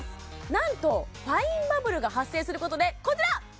なんとファインバブルが発生することでこちら！